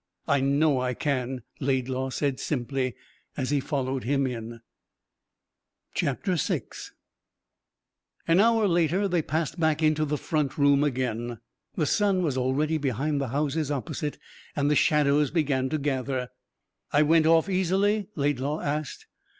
"I know I can," Laidlaw said simply, as he followed him in. 6 An hour later they passed back into the front room again. The sun was already behind the houses opposite, and the shadows began to gather. "I went off easily?" Laidlaw asked.